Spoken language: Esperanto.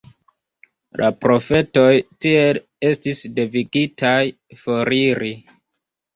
La profetoj tiel estis devigitaj foriri.